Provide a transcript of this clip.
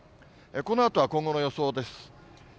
このあとは今後の予想です。